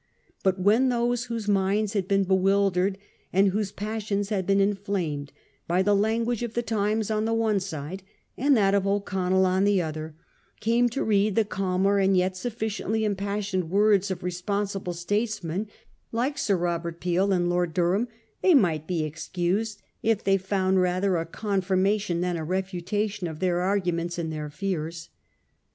But when those whose minds had been bewildered and whose passions had been inflamed by the language of the Times on the one side, and that of O'Connell on the other, came to read the calmer and yet sufficiently impassioned words of responsible statesmen like Sir Robert Peel and Lord Durham, they might be ex cused if they found rather a confirmation than a refutation of their arguments and their fears.